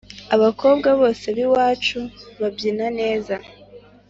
abakobwa bose bi iwacu babyina neza